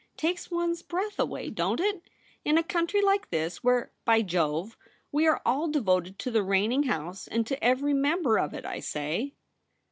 Takes one's breath away, don't it .^ In a country like this, where, by Jove ! we are all devoted to the reigning house and to every member of it, I say.'